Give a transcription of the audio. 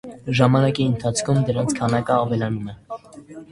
Ժամանակի ընթացքում դրանց քանակն ավելանում է։